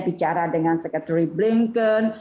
bicara dengan secretary blinken